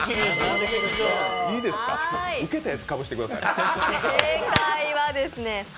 ウケたやつかぶしてください。